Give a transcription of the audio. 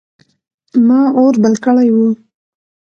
ما اور بل کړی و.